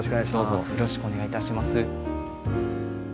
どうぞよろしくお願い致します。